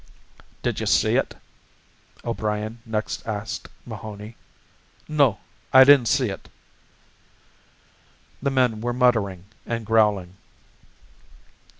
"Did you see ut?" O'Brien next asked Mahoney. "No, I didn't see ut." The men were muttering and growling.